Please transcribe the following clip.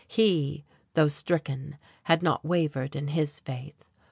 He, though stricken, had not wavered in his faith.